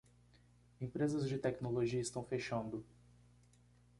Empresas de tecnologia estão fechando